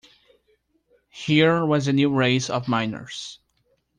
Here was a new race of miners.